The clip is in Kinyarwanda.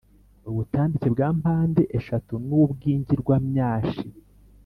Ubutambike bwa mpande eshatu n'ubw'ingirwamyashi